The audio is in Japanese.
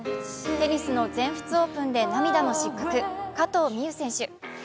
テニスの全仏オープンで涙の失格加藤未唯選手。